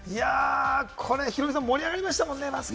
ヒロミさん、盛り上がりましたもんね、バスケ。